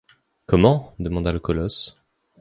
Comment ? demanda le colosse.